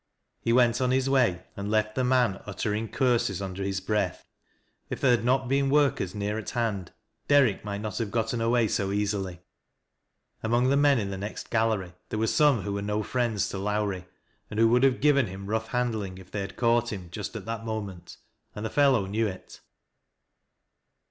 He went on his way, and left the man uttering cursef under his breath. If there had not been workers near at hand, Derrick might not have gotten away so easilj Among the men in the next gallery there were some whc were no friends to Lowrie, and who would have given him rough handling if they had caught him just at that moment, and the fellow knew it.